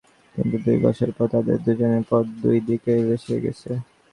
কিন্তু দুই বছর পর তাঁদের দুজনের পথ দুইদিকে বেঁকে গেছে।